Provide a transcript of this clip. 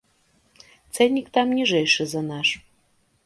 Цэннік там ніжэйшы за наш.